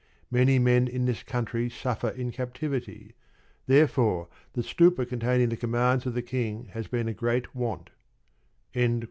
Many men in this country suffer in captivity, therefore the stupa containing the commands of the king has been a great want.